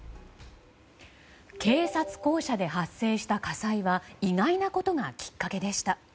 警察公舎で発生した火災は意外なことがきっかけでした。